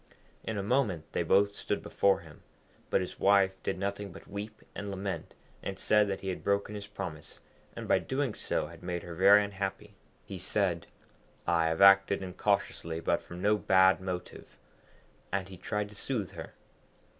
In a moment they both stood before him; but his wife did nothing but weep and lament, and said that he had broken his promise, and by so doing had made her very unhappy. He said, 'I have acted incautiously, but from no bad motive,' and he tried to soothe her.